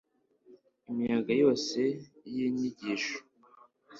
imiyaga yose y inyigisho